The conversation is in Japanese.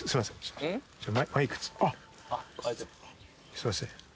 すいません。